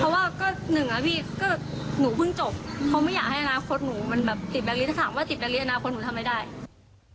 เขาไม่อยากให้อนาคตหนูมันแบบติดแบกลิถ้าถามว่าติดแบกลิอนาคตหนูทำไม่ได้